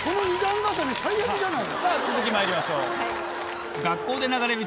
さぁ続きまいりましょう。